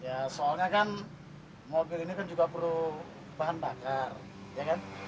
ya soalnya kan mobil ini kan juga perlu bahan bakar ya kan